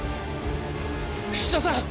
菱田さん！